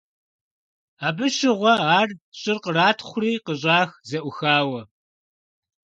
Абы щыгъуэ ар щӀыр къратхъури къыщӀах зэӀухауэ.